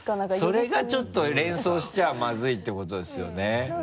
それがちょっと連想しちゃまずいってことですよね。